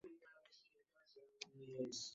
Su capital es la población de Sabana de Mendoza.